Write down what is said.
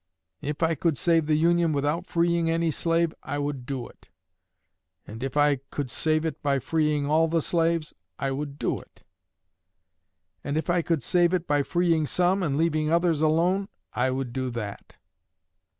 _ If I could save the Union without freeing any slave, I would do it. And if I could save it by freeing all the slaves, I would do it. And if I could save it by freeing some, and leaving others alone, I would do that.